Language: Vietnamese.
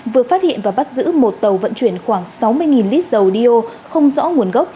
vừa phát hiện và bắt giữ một tàu vận chuyển khoảng sáu mươi lít dầu đeo không rõ nguồn gốc